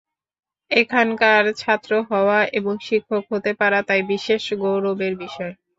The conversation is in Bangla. এখানকার ছাত্র হওয়া এবং শিক্ষক হতে পারা তাই বিশেষ গৌরবের বিষয়।